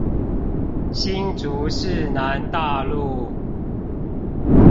新竹市南大路